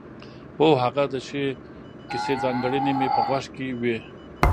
هو هغه د ښې کیسې ځانګړنې مې په غوږ کې وې.